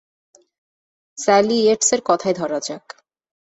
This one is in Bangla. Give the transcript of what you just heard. স্যালি ইয়েটসের কথাই ধরা যাক।